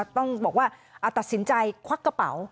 ต้องบอกว่าตัดสินใจควักกระเป๋า